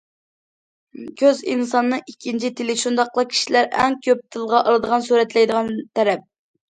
كۆز ئىنساننىڭ ئىككىنچى تىلى، شۇنداقلا كىشىلەر ئەڭ كۆپ تىلغا ئالىدىغان، سۈرەتلەيدىغان تەرەپ.